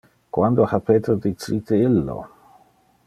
Quando ha Peter dicite illo?